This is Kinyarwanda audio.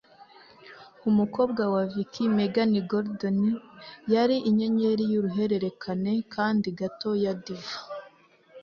Umukobwa wa Viki, Megan Gordon, yari inyenyeri y'uruhererekane kandi gato ya diva.